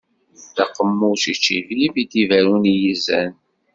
D aqemmuc ičibib, i d-iberrun i yizan.